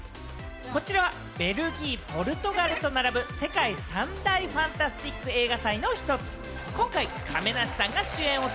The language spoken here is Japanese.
こちらはベルギー、ポルトガルと並ぶ世界三大ファンタスティック映画祭の１つ。